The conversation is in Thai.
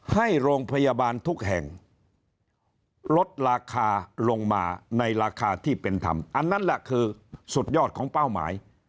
ให้โรงพยาบาลทุกแห่งลดราคาลงมาในราคาที่เป็นธรรมอันนั้นแหละคือสุดยอดของเป้าหมาย